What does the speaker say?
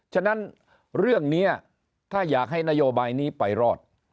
ฉะนั้นเรื่องนี้ถ้าอยากให้นโยบายนี้ไปรอด